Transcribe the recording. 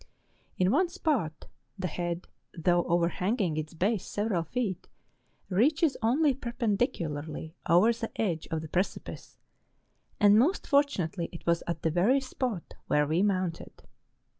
In one spot, the head, though overhanging its base several feet, reaches only perpendicularly over the edge of tlie precipice, and most fortunately it was at the very spot where we mounted.